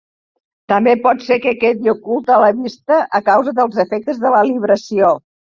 També pot ser que quedi ocult a la vista a causa dels efectes de la libració.